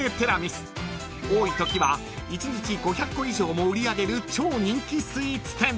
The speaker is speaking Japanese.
［多いときは１日５００個以上も売り上げる超人気スイーツ店］